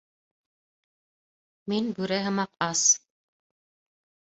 Мин бүре һымаҡ ас